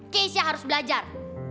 keisha harus belajar